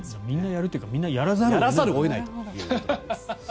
みんなやるというかやらざるを得ないという。